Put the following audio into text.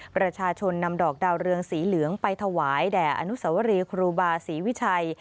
ประชาชนนำดอกดาวเรืองสีเหลืองไปถวายแด่อนุสวรีครูบาศรีวิชัย